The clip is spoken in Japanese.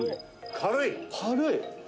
「軽い」